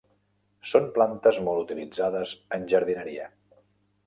Són plantes molt utilitzades en jardineria.